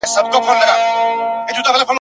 ته د پلار ښکنځل لیکلي وه ..